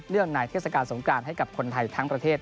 เรื่องในเทศกาลสงการให้กับคนไทยทั้งประเทศ